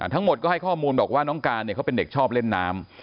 ทั้งหมดก็ให้ข้อมูลบอกว่าน้องการเขาเป็นเด็กชอบเล่นน้ำ